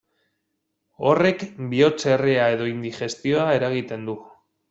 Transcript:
Horrek bihotzerrea edo indigestioa eragiten du.